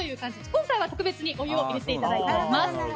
今回は特別にお湯を入れていただいています。